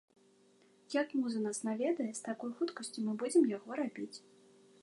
Як муза нас наведае, з такой хуткасцю мы будзем яго рабіць.